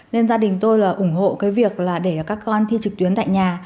nên gia đình tôi là ủng hộ cái việc là để các con thi trực tuyến tại nhà